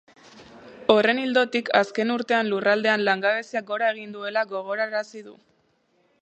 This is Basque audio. Horren ildotik, azken urtean lurraldean langabeziak gora egin duela gogorarazi du.